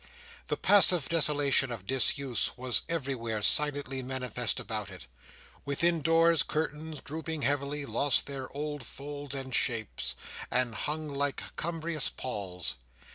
The passive desolation of disuse was everywhere silently manifest about it. Within doors, curtains, drooping heavily, lost their old folds and shapes, and hung like cumbrous palls.